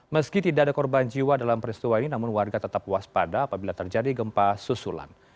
meski tidak ada korban jiwa dalam peristiwa ini namun warga tetap waspada apabila terjadi gempa susulan